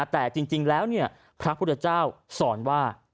แต่จริงแล้วพระพุทธเจ้าสอนว่า